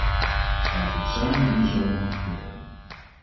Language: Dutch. Laten we het samen in de zomer goedkeuren.